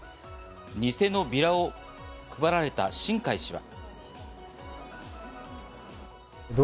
偽のビラを配られた新開氏は。